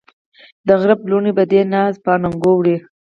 دغرب لوڼې به دې ناز په اننګو وړي